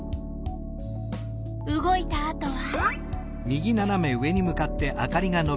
動いたあとは？